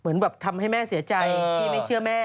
เหมือนแบบทำให้แม่เสียใจที่ไม่เชื่อแม่